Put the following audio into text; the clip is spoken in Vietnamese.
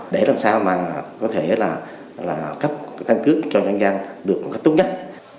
để làm sao mà có thể là cấp căn cước cho nhân dân được cắt tốt nhất